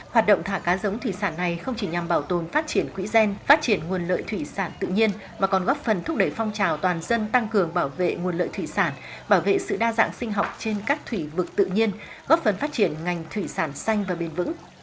hoạt động thả cá giống thủy sản này không chỉ nhằm bảo tồn phát triển quỹ gen phát triển nguồn lợi thủy sản tự nhiên mà còn góp phần thúc đẩy phong trào toàn dân tăng cường bảo vệ nguồn lợi thủy sản bảo vệ sự đa dạng sinh học trên các thủy vực tự nhiên góp phần phát triển ngành thủy sản xanh và bền vững